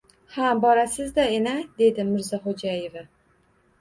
— Ha, borasiz-da, ena, — dedi Mirzaxo‘jaeva.